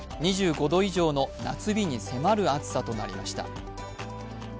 ２５度以上の夏日に迫る暑さとなりました。